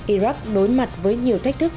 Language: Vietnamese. iraq đối mặt với nhiều thách thức